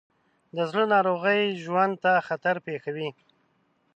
د زړه ناروغۍ ژوند ته خطر پېښوي.